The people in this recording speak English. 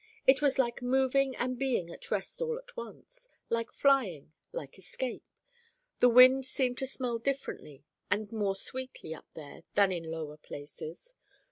It was like moving and being at rest all at once; like flying, like escape. The wind seemed to smell differently and more sweetly up there than in lower places.